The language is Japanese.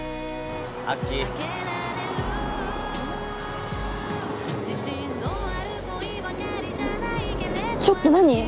アッキーちょっと何？